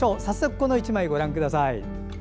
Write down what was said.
早速この１枚ご覧ください。